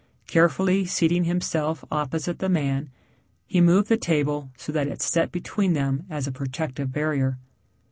Carefully seating himself opposite the man, he moved the table so that it set between them as a protective barrier.